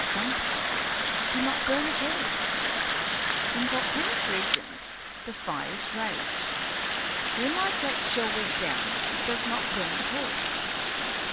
Some parts do not burn at all. In volcanic regions the fires rage; where my great shell went down it does not burn at all.